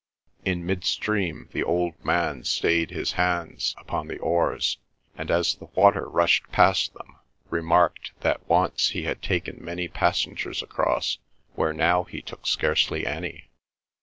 In mid stream the old man stayed his hands upon the oars, and as the water rushed past them, remarked that once he had taken many passengers across, where now he took scarcely any.